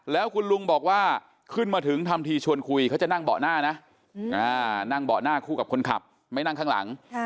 แล้วคุณลุงบอกว่าขึ้นมาถึงทำทีชวนคุยเขาจะนั่งเบาะหน้านะนั่งเบาะหน้าคู่กับคนขับไม่นั่งข้างหลัง